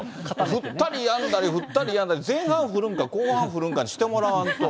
降ったりやんだり、降ったりやんだり、前半降るんか、後半降るんかにしてもらわんと。